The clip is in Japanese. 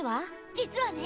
実はね